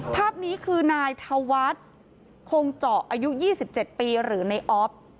ภาพนี้คือนายธวัฒน์คงเจาะอายุ๒๗ปีหรือในออฟ